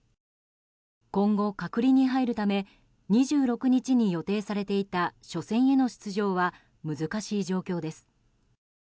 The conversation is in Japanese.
今後、隔離に入るため２６日に予定されていた初戦への出場は難しい状況です。